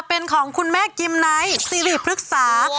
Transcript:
เป็นของคุณแม่กิมไนท์สิริพฤกษา